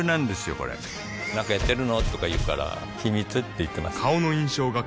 これなんかやってるの？とか言うから秘密って言ってます